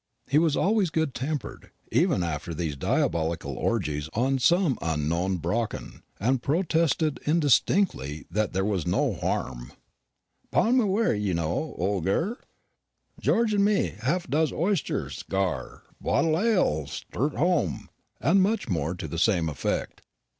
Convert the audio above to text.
He was always good tempered, even after these diabolical orgies on some unknown Brocken, and protested indistinctly that there was no harm, "'pon m' wor', ye know, ol' gur'! Geor' an' me half doz' oyst'r c'gar botl' p'l ale str't home," and much more to the same effect.